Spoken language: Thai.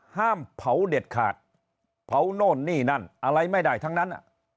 ห้ามเผาเด็ดขาดเผาโน่นนี่นั่นอะไรไม่ได้ทั้งนั้น